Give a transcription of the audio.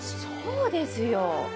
そうですよ。